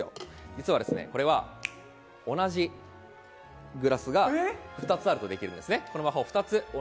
実はこれはですね、同じグラスが２つあるとできるんですね。